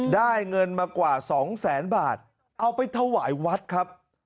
ได้เงินมากว่าสองแสนบาทเอาไปถวายวัดครับ